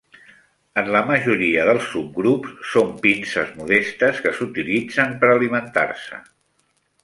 En la majoria dels subgrups, són pinces modestes que s'utilitzen per alimentar-se.